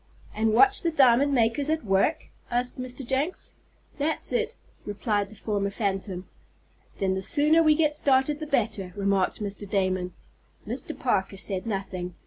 "And watch the diamond makers at work?" asked Mr. Jenks. "That's it," replied the former phantom. "Then the sooner we get started the better," remarked Mr. Damon. Mr. Parker said nothing.